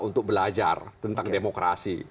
untuk belajar tentang demokrasi